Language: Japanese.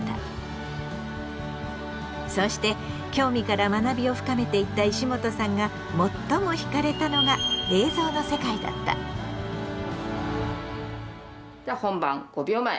そうして興味から学びを深めていった石本さんが最もひかれたのがじゃあ本番５秒前４３２。